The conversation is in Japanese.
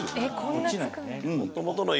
落ちないね。